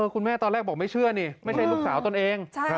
คุณแม่ตอนแรกบอกไม่เชื่อไม่ใช่ลูกสาวตนเอง